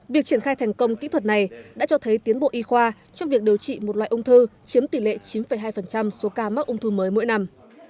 việc triển khai thành công kỹ thuật này đã cho thấy tiến bộ y khoa trong việc điều trị một loại ung thư chiếm tỷ lệ chín hai số ca mắc ung thư mới mỗi năm